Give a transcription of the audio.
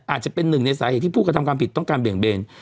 อาจจะเป็นหนึ่งในสาเหตุที่ผู้กระทำความผิดต้องการเบี่ยงเบน